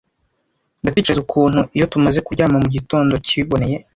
Ndatekereza ukuntu iyo tumaze kuryama mugitondo kiboneye,